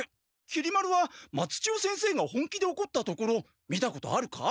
きり丸は松千代先生が本気でおこったところ見たことあるか？